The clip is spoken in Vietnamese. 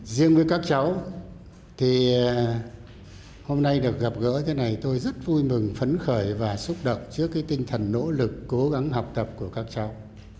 riêng với các cháu thì hôm nay được gặp gỡ thế này tôi rất vui mừng phấn khởi và xúc động trước cái tinh thần nỗ lực cố gắng học tập của các cháu